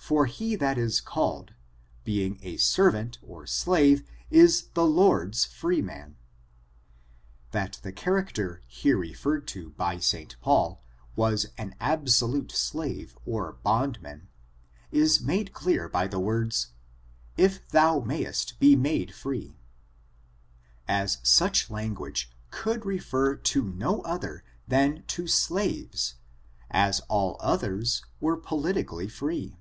For he that is called, being a servant [or slave], is the hordes free man." That the character here referred to by St. Paul, was an absolute slave or bondnmn^ is made clear by the words " if thou mayest be made free," as such language could refer to no other than to slaves, as all others were politically free.